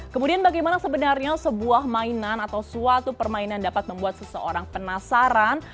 kemudian bagaimana sebenarnya sebuah mainan atau suatu permainan dapat membuat seseorang penasaran